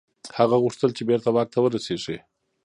هغه غوښتل چي بیرته واک ته ورسیږي.